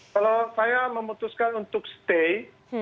kalau saya memutuskan untuk stay